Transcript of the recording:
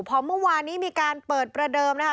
พอเมื่อวานนี้มีการเปิดประเดิมนะคะ